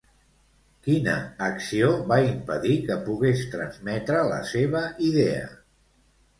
Quina acció va impedir que pogués transmetre la seva idea?